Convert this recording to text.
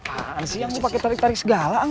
apaan sih yang mau pakai tarik tarik segala amp